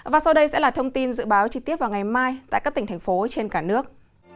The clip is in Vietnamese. và sau đây sẽ là thông tin dự báo chi tiết vào ngày mai tại các tỉnh thành phố trên cả nước